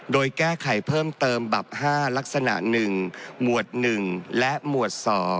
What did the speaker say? โดยแก้ไขเพิ่มเติมบับ๕ลักษณะ๑หมวด๑และหมวด๒